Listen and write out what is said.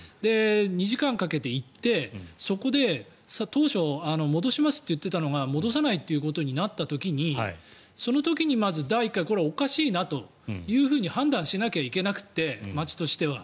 ２時間かけて行ってそこで、当初戻しますって言っていたのが戻さないとなった時にその時にまず１回これはおかしいなと判断しなきゃいけなくて町としては。